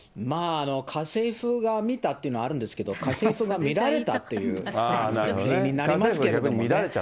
家政婦が見たっていうのはあるんですけれども、家政婦が見られたっていうことになりますけれども。